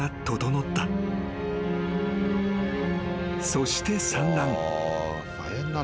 ［そして産卵］